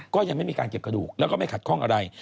ก็ยังไม่มีการเก็บกระดูกแล้วก็ไม่ขัดข้องอะไร